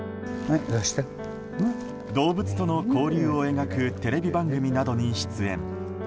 動物との交流を描くテレビ番組などに出演。